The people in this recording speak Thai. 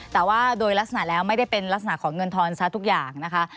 แต่ว่าโดยลักษณะแล้วไม่ได้เป็นลักษณะของเงินทอนซะทุกอย่างนะคะ